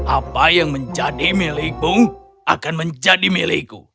apa yang menjadi milikmu akan menjadi milikku